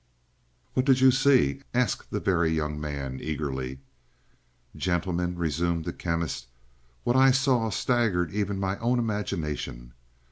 "What did you see?" asked the Very Young Man eagerly. "Gentlemen," resumed the Chemist, "what I saw staggered even my own imagination.